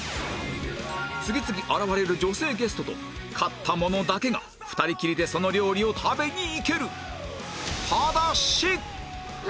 次々現れる女性ゲストと勝った者だけが２人きりでその料理を食べに行ける